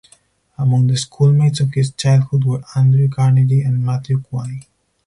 Among the schoolmates of his childhood were Andrew Carnegie and Matthew Quay.